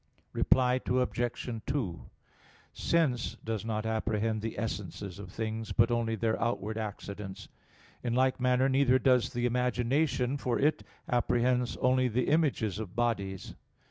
Reply Obj. 2: Sense does not apprehend the essences of things, but only their outward accidents. In like manner neither does the imagination; for it apprehends only the images of bodies.